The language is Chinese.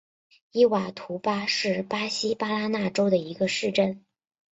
伊瓦图巴是巴西巴拉那州的一个市镇。